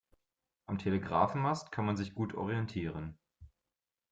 Am Telegrafenmast kann man sich gut orientieren.